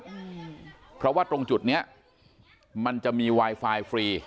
อืมเพราะว่าตรงจุดเนี้ยมันจะมีไวไฟฟรี